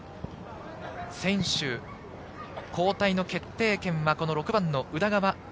選手、交代の決定権は６番の宇田川瑛